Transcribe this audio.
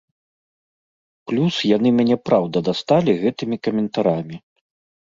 Плюс яны мяне праўда дасталі гэтымі каментарамі.